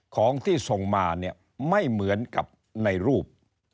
ของที่ส่งมาเนี่ยไม่เหมือนกับในรูป